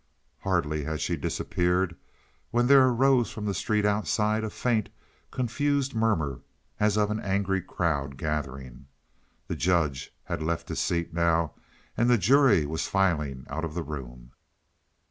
Hardly had she disappeared when there arose from the street outside a faint, confused murmur, as of an angry crowd gathering. The judge had left his seat now and the jury was filing out of the room.